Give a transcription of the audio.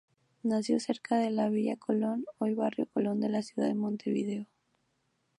Nació cerca de la villa Colón, hoy barrio Colón de la ciudad de Montevideo.